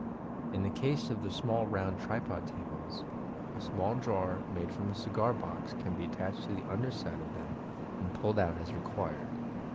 In the case of the small round tripod tables, a small drawer, made from a cigar box, can be attached to the under side of them, and pulled out as required.